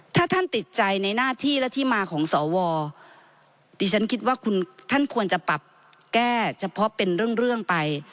ถ้าท่านติดใจในหน้าที่และที่มาของสวดิฉันคิดว่าคุณท่านควรจะปรับแก้เฉพาะเป็นเรื่องไป